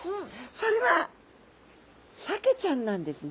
それはサケちゃんなんですね。